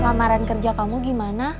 lamaran kerja kamu gimana